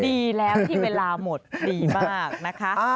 ดีแล้วที่เวลาหมดดีมากนะคะ